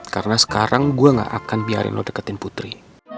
karena sekarang gue gak akan biarin lo deketin putri